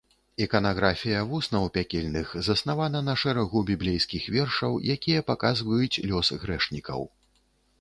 Іканаграфія вуснаў пякельных заснавана на шэрагу біблейскіх вершаў, якія паказваюць лёс грэшнікаў.